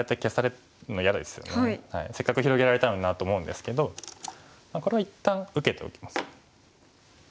せっかく広げられたのになって思うんですけどこれは一旦受けておきます。